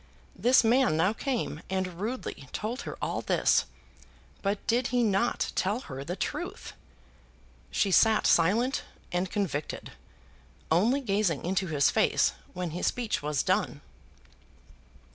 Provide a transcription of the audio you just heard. This man now came and rudely told her all this, but did he not tell her the truth? She sat silent and convicted; only gazing into his face when his speech was done.